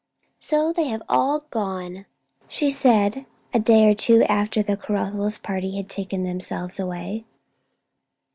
"So they have all gone!" she said, a day or two after the Caruthers party had taken themselves away.